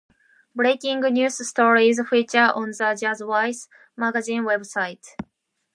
Breaking news stories feature on the "Jazzwise" magazine website.